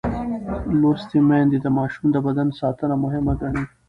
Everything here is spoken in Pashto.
لوستې میندې د ماشوم د بدن ساتنه مهم ګڼي.